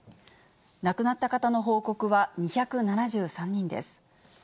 亡くなった方の報告は２７３人です。